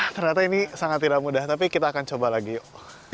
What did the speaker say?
ternyata ini sangat tidak mudah tapi kita akan coba lagi yuk